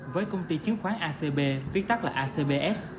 với công ty chứng khoán acb viết tắt là acbs